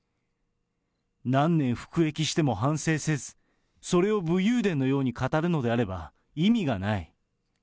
何年服役しても反省せず、それを武勇伝のように語るのであれば意味がない。